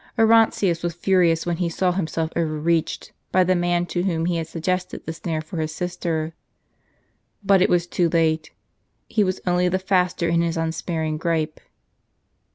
Orontius was furious when he saw himself overreached, by the man to whom he had sug gested the snare for his sister. But it was too late ; he was only the faster in his unsparing gripe.